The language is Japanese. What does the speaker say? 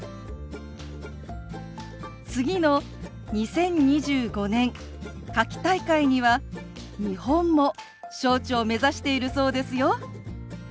次の２０２５年夏季大会には日本も招致を目指しているそうですよ。